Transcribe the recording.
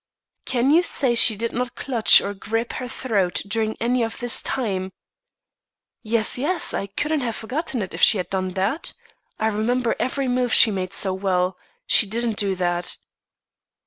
"Can you say she did not clutch or grip her throat during any of this time?" "Yes, yes. I couldn't have forgotten it, if she had done that. I remember every move she made so well. She didn't do that."